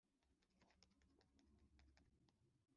kuko ari icyera ngwino ngutume muri Egiputa